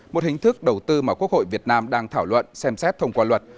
một hình thức đầu tư mà quốc hội việt nam đang thảo luận xem xét thông qua luật